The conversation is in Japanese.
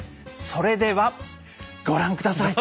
それではご覧下さい。